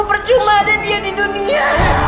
percuma ada dia di dunia